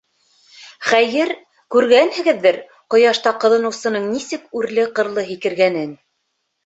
Хәйер, күргәнһегеҙҙер, ҡояшта ҡыҙыныусының нисек үрле-ҡырлы һикергәнен.